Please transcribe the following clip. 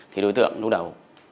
thì đối tượng lúc đầu